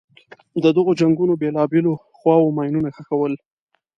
د دغو جنګونو بېلابېلو خواوو ماینونه ښخول.